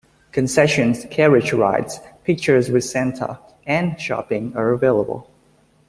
Concessions, carriage rides, pictures with Santa, and shopping are available.